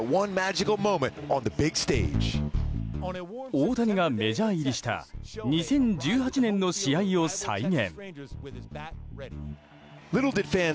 大谷がメジャー入りした２０１８年の試合を再現。